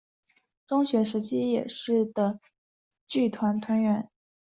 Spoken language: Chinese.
中学时期也是的剧团团员。